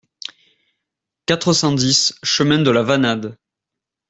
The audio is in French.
quatre cent dix chemin de la Vanade